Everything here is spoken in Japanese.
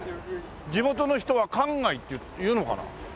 地元の人は「関外」って言うのかな？